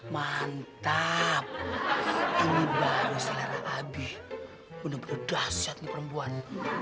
mantap ini baru selera abi benar benar dahsyat nih perempuan